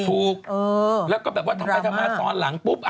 ถูกแล้วก็แบบว่าทำไปทำมาตอนหลังปุ๊บ